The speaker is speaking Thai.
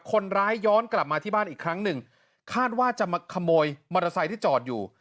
ย้อนกลับมาที่บ้านอีกครั้งหนึ่งคาดว่าจะมาขโมยมอเตอร์ไซค์ที่จอดอยู่